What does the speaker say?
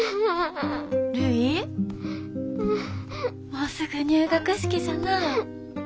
もうすぐ入学式じゃなあ。